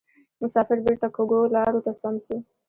مسافر بیرته کږو لارو ته سم سو